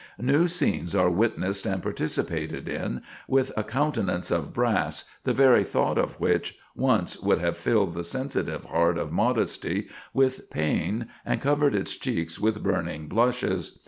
New scenes are witnessed and participated in, with a countenance of brass, the very thought of which, once, would have filled the sensitive heart of modesty with pain, and covered its cheek with burning blushes.